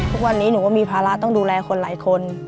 ทุกวันนี้หนูก็มีภาระต้องดูแลคนหลายคน